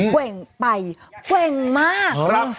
แกว่งไปแกว่งมาก